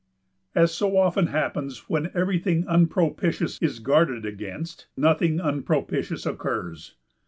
] As so often happens when everything unpropitious is guarded against, nothing unpropitious occurs.